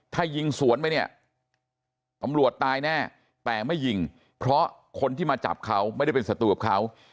ถ้ายิงสวนไปเนี่ยตำรวจตายแน่แต่ไม่ยิงเพราะคนที่มาจับเขาไม่ได้เป็นศัตรูกับเขา